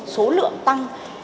số lượng tăng